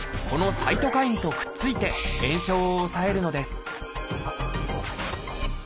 サイトカインとくっついて炎症を抑えるのです